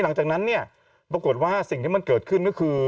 หลังจากนั้นเนี่ยปรากฏว่าสิ่งที่มันเกิดขึ้นก็คือ